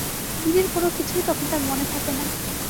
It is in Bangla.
দিনের কোনো কিছুই তখন তাঁর মনে থাকে না।